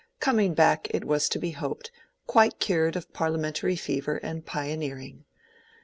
—coming back, it was to be hoped, quite cured of Parliamentary fever and pioneering.